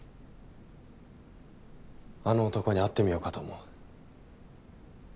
あの男に会ってみようかと思う。